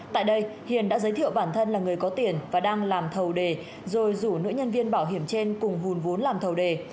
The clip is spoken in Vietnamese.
tại đây hiền đã giới thiệu bản thân là người có tiền và đang làm thầu đề rồi rủ nữ nhân viên bảo hiểm trên cùng vùn vốn làm thầu đề